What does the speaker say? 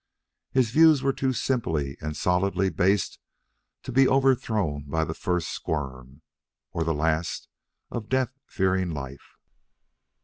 His views were too simply and solidly based to be overthrown by the first squirm, or the last, of death fearing life.